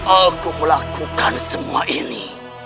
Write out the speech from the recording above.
aku melakukan semua ini